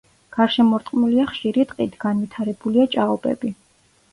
გარშემორტყმულია ხშირი ტყით, განვითარებულია ჭაობები.